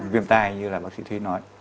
viêm tai như là bác sĩ thúy nói